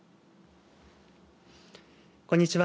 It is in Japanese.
こんにちは。